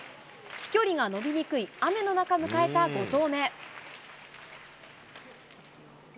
飛距離が伸びにくい雨の中迎えた５投目。